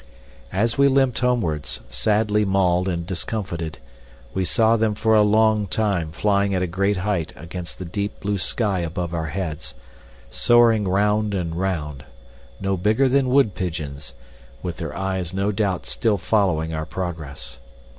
As we limped homewards, sadly mauled and discomfited, we saw them for a long time flying at a great height against the deep blue sky above our heads, soaring round and round, no bigger than wood pigeons, with their eyes no doubt still following our progress.